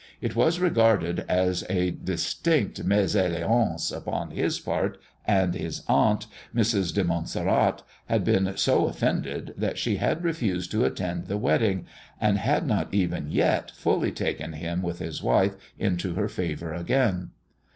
It was regarded as a distinct mésalliance upon his part, and his aunt, Mrs. de Monteserrat, had been so offended that she had refused to attend the wedding, and had not even yet fully taken him with his wife into her favor again.